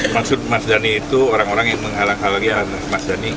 maksud ahmad dhani itu orang orang yang menghalang hal hal dia ahmad dhani